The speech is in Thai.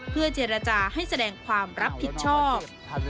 เพื่อเจรจาให้แสดงความรับผิดชอบ